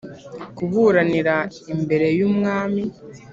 Kuburanira imbere y umwami